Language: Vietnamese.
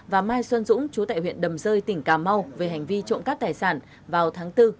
và mai xuân dũng chú tại huyện đầm rơi tỉnh cà mau về hành vi trộm cắp tài sản vào tháng bốn